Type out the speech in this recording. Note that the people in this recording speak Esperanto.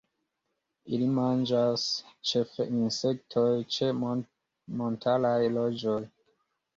Ili manĝas ĉefe insektojn ĉe montaraj rojoj.